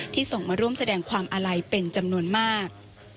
ส่งมาร่วมแสดงความอาลัยเป็นจำนวนมาก